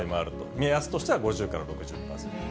目安としては５０から６０％。